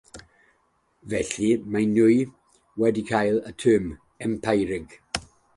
Felly, maen nhw wedi cael y term “empirig”.